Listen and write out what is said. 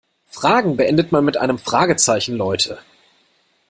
Fragen beendet man mit einem Fragezeichen, Leute!